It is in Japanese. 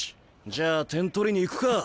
じゃあ点取りに行くかぁ！